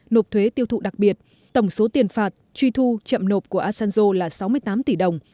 nộp thuế tiêu thụ đặc biệt tổng số tiền phạt truy thu chậm nộp của asanzo là sáu mươi tám tỷ đồng